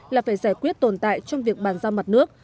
là phải giải quyết tồn tại trong việc bàn giao mặt nước